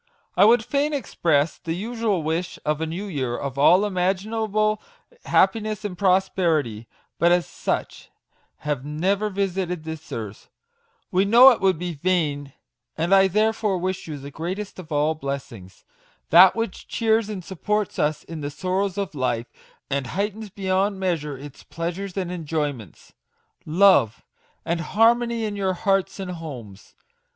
I would fain express tlje usual wish of a new year of all imaginable happiness and prosperity, but as such have never visited this earth, we know it would be vain ; and I therefore wish you the greatest of all blessings that which cheers and supports us in the sorrows of life, and heightens beyond measure its pleasures and enjoyments, love and harmony in your hearts and homes